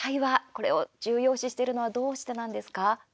これを重要視してるのはどうしてなんですか？